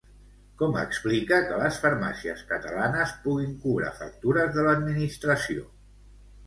Com explica que les farmàcies catalanes puguin cobrar factures de l'administració?